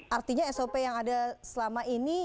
artinya sop yang ada selama ini